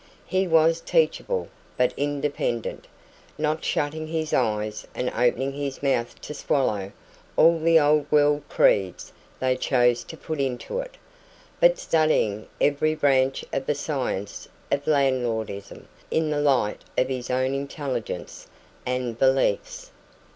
He was teachable, but independent, not shutting his eyes and opening his mouth to swallow all the old world creeds they chose to put into it, but studying every branch of the science of landlordism in the light of his own intelligence and beliefs.